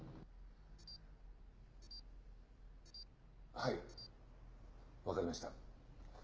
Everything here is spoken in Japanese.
はいわかりました。